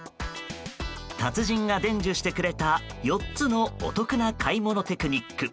達人が伝授してくれた４つのお得な買い物テクニック。